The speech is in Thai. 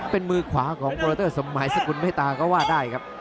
เป็นมือขวาของโปรเตอร์สมหมายสกุลเมตตาก็ว่าได้ครับ